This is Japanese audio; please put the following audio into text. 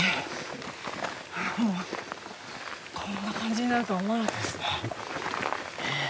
もうこんな感じになるとは思わなかったですね。